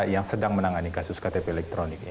yang sedang menangani kasus ktp elektronik ini